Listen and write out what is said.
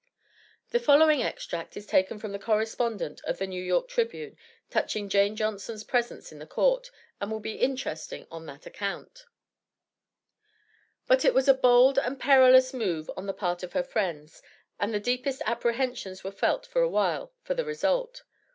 The following extract is taken from the correspondence of the New York Tribune touching Jane Johnson's presence in the court, and will be interesting on that account: "But it was a bold and perilous move on the part of her friends, and the deepest apprehensions were felt for a while, for the result.